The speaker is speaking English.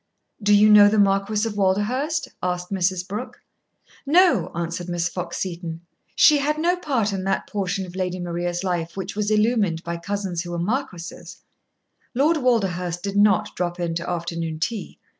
"Do you know the Marquis of Walderhurst?" asked Mrs. Brooke. "No," answered Miss Fox Seton. She had no part in that portion of Lady Maria's life which was illumined by cousins who were marquises. Lord Walderhurst did not drop in to afternoon tea.